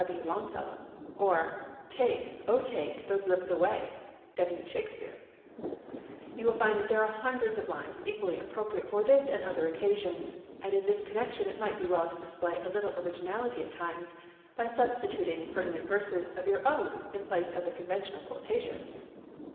W. Longfellow," or "'Take, oh take, those lips away'—W. Shakespeare." You will find there are hundreds of lines equally appropriate for this and other occasions, and in this connection it might be well to display a little originality at times by substituting pertinent verses of your own in place of the conventional quotations.